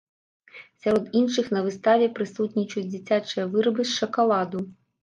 Сярод іншых на выставе прысутнічаюць дзіцячыя вырабы з шакаладу.